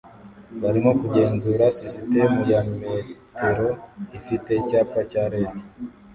barimo kugenzura sisitemu ya metero ifite icyapa cya LED